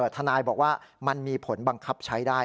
ทนายบอกว่ามันมีผลบังคับใช้ได้